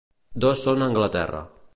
Dos són a Anglaterra.